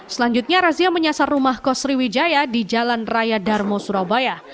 selanjutnya razia menyasar rumah kos sriwijaya di jalan raya darmo surabaya